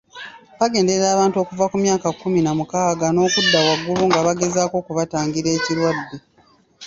Bagenderera abantu okuva ku myaka kkumi na mukaaga n’okudda waggulu nga bagezaako okubatangira ekirwadde.